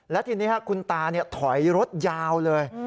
และทีนี้คุณตาถอยรถยาวเลย